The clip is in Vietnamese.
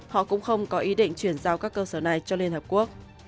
họ cũng không có ý định chuyển giao các cơ sở này cho liên hợp quốc